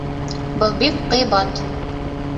Был бик ҡыйбат